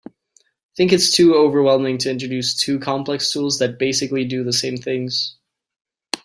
I think it’s too overwhelming to introduce two complex tools that basically do the same things.